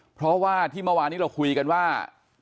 เพราะว่าที่เมื่อวานนี้เราคุยกันว่า